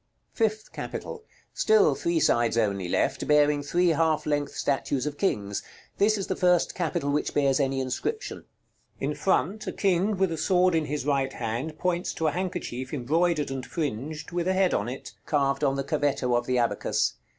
FIFTH CAPITAL. Still three sides only left, bearing three half length statues of kings; this is the first capital which bears any inscription. In front, a king with a sword in his right hand points to a handkerchief embroidered and fringed, with a head on it, carved on the cavetto of the abacus.